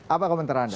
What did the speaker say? apa komentar anda